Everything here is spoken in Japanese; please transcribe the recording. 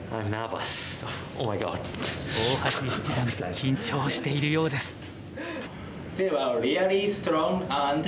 大橋七段緊張しているようです。